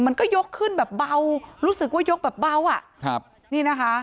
มันก็ยกขึ้นแบบเบารู้สึกว่ายกแบบเบาอ่ะครับนี่นะคะ